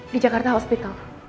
di jakarta hospital